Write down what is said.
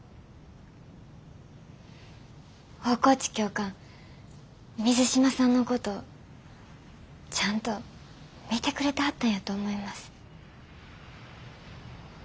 大河内教官水島さんのことちゃんと見てくれてはったんやと思います。